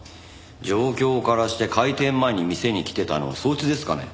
状況からして開店前に店に来てたのはそいつですかね？